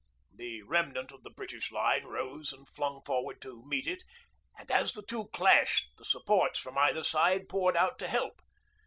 The remnant of the British line rose and flung forward to meet it, and as the two clashed the supports from either side poured out to help.